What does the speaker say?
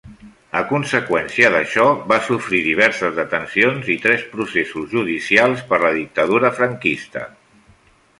A conseqüència d'això va sofrir diverses detencions i tres processos judicials per la dictadura franquista.